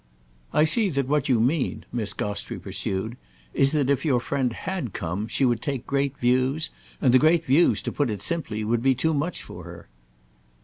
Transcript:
I see that what you mean," Miss Gostrey pursued, "is that if your friend had come she would take great views, and the great views, to put it simply, would be too much for her."